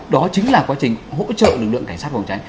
đó chính là quá trình hỗ trợ lực lượng cảnh sát phòng cháy